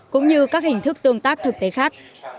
cũng như các hình thức tương tác thực tế khác